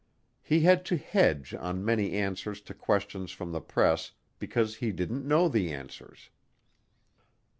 He had to hedge on many answers to questions from the press because he didn't know the answers.